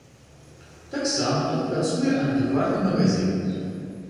Таксама тут працуе антыкварны магазін.